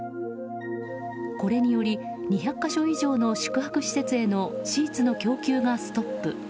これにより、２００か所以上の宿泊施設へのシーツの供給がストップ。